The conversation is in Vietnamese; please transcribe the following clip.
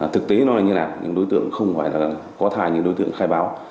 thực tế nó như thế nào đối tượng không phải là có thai như đối tượng khai báo